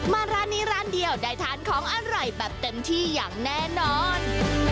มาร้านนี้ร้านเดียวได้ทานของอร่อยแบบเต็มที่อย่างแน่นอน